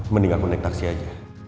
mendingan aku naik taksi aja